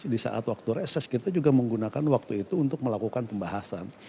di saat waktu reses kita juga menggunakan waktu itu untuk melakukan pembahasan